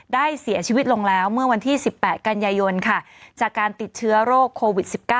ได้เสียชีวิตลงแล้วเมื่อวันที่๑๘กันยายนจากการติดเชื้อโรคโควิด๑๙